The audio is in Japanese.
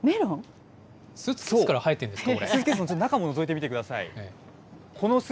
スーツケースから生えているんですか？